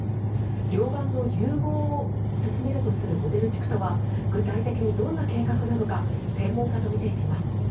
両岸の融合を進めるとするモデル地区とは具体的にどんな計画なのか専門家と見ていきます。